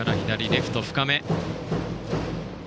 レフト深め。